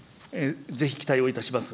ぜひ期待をいたします。